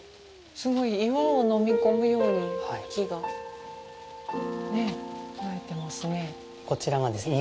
すごい、岩を飲み込むように木が生えてますね。